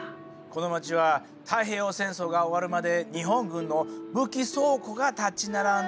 この町は太平洋戦争が終わるまで日本軍の武器倉庫が立ち並んでいた区域。